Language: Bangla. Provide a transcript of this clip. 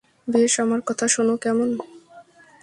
বেশ, আমার কথা শোনো, কেমন?